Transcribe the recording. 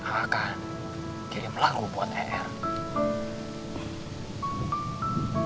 akan kirim lagu buat er